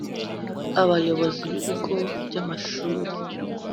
Abayobozi b ibigo by amashuri